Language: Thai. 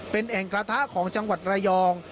เป็นแอ่งกระทะของจังหวัดระยอง